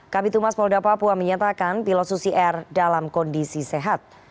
kami tumas polda papua menyatakan pilot susi air dalam kondisi sehat